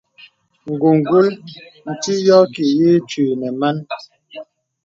Ǹgùngùl nti yɔ ki yə̀ ǐ twi nə̀ man.